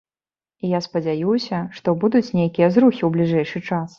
І я спадзяюся, што будуць нейкія зрухі ў бліжэйшы час.